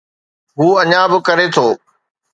هو اڃا به ڪري ٿو.